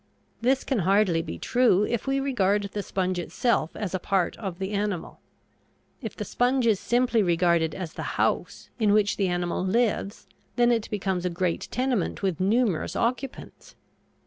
This can hardly be true if we regard the sponge itself as a part of the animal. If the sponge is simply regarded as the house in which the animal lives then it becomes a great tenement with numerous occupants.